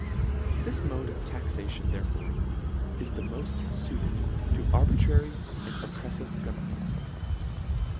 This mode of taxation therefore is the mode fuited to arbitrary and oppreflive go vernments.